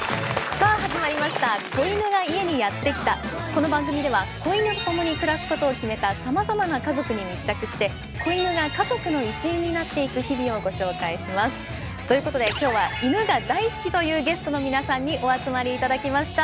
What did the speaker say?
この番組では子犬と共に暮らすことを決めたさまざまな家族に密着して子犬が家族の一員になっていく日々をご紹介します。ということで今日は犬が大好きというゲストの皆さんにお集まりいただきました。